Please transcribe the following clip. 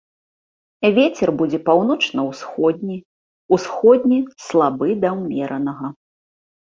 Вецер будзе паўночна-ўсходні, усходні слабы да ўмеранага.